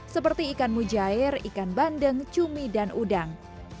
seperti ikan mujair ikan bandeng cumi dan udang